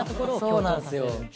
そうなんですよ。